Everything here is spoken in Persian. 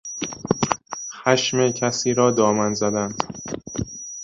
خشم کسی را دامن زدن